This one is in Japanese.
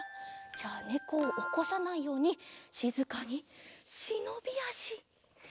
じゃあねこをおこさないようにしずかにしのびあし。